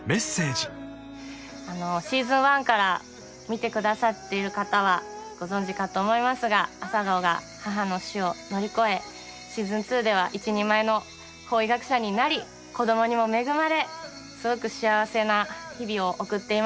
シーズン１から見てくださってる方はご存じかと思いますが朝顔が母の死を乗り越えシーズン２では一人前の法医学者になり子供にも恵まれすごく幸せな日々を送っていました。